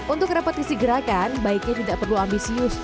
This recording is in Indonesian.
untuk repetisi gerakan baiknya tidak perlu ambisius